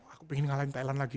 aku pengen ngalahin thailand lagi